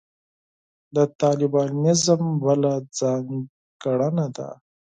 د طالبانیزم بله ځانګړنه ده.